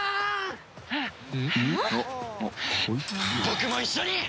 僕も一緒に！